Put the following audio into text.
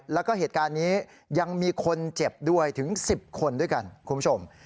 แล้วก็เหตุการณ์นี้ยังมีคนเจ็บด้วยถึง๑๐คนด้วยกันคุณผู้ชม